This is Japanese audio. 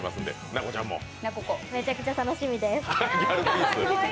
めちゃくちゃ楽しみです。